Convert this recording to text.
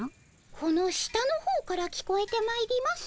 この下のほうから聞こえてまいります。